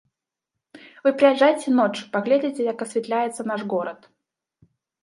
Вы прыязджайце ноччу, паглядзіце, як асвятляецца наш горад.